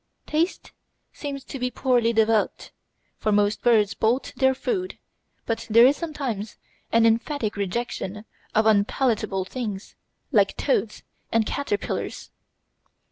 Taste seems to be poorly developed, for most birds bolt their food, but there is sometimes an emphatic rejection of unpalatable things, like toads and caterpillars.